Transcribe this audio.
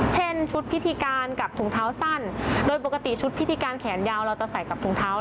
เช่นชุดพิธีการกับถุงเท้าสั้นโดยปกติชุดพิธีการแขนยาวเราจะใส่กับถุงเท้า